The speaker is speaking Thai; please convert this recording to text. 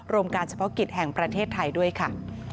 การเฉพาะกิจแห่งประเทศไทยด้วยค่ะ